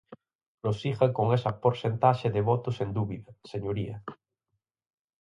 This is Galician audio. Prosigan con esa porcentaxe de votos sen dúbida, señoría.